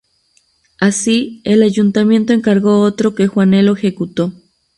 Así, el ayuntamiento encargó otro, que Juanelo ejecutó.